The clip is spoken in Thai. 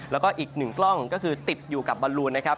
แล้วก็อีกหนึ่งกล้องก็คือติดอยู่กับบอลลูนนะครับ